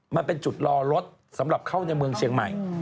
มันเป็นจุดรอรถสำหรับเข้าในเมืองเชียงใหม่